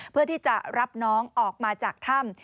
เพื่อที่จะรับน้องออกมาจากถ้ำ